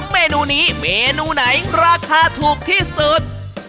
เมนูนี้เมนูไหนราคาถูกที่สุด